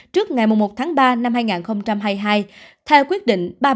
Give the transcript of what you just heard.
trước ngày một tháng ba năm hai nghìn hai mươi hai theo quyết định ba nghìn bảy trăm bốn mươi chín qd tld